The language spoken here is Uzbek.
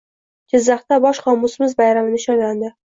Jizzaxda Bosh qomusimiz bayrami nishonlandi